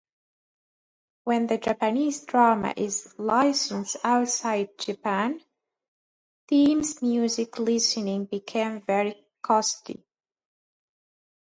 When the Japanese drama is licensed outside Japan, theme music licensing becomes very costly.